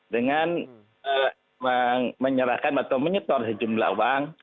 dengan menyerahkan atau menyetor sejumlah uang